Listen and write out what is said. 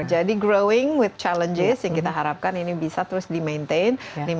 jadi growing with challenges yang kita harapkan ini bisa terus di maintain